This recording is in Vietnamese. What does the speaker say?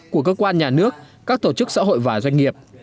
của cơ quan nhà nước các tổ chức xã hội và doanh nghiệp